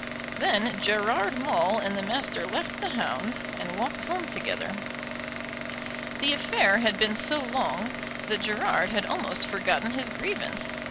Then Gerard Maule and the Master left the hounds and walked home together. The affair had been so long that Gerard had almost forgotten his grievance.